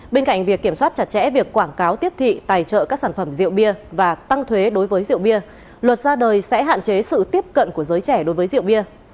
bên cạnh việc kiểm soát chặt chẽ việc quảng cáo tiếp thị tài trợ các sản phẩm rượu bia và tăng thuế đối với rượu bia luật ra đời sẽ hạn chế sự tiếp cận của giới trẻ đối với rượu bia